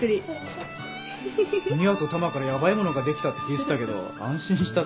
美和とタマからヤバいものができたって聞いてたけど安心したぜ。